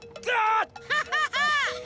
ハハハ！